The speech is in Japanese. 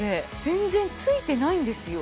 全然ついてないんですよ